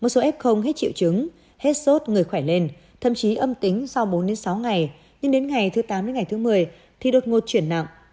sau bốn sáu ngày nhưng đến ngày thứ tám một mươi thì đột ngột chuyển nặng